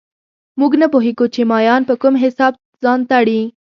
موږ نه پوهېږو چې مایان په کوم حساب ځان تړي